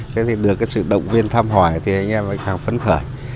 thế thì được sự động viên thăm hỏi thì anh em lại khẳng phấn khởi